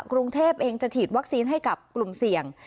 กรุงเทพเองจะฉีดวัคซีนให้กับกลุ่มเสี่ยง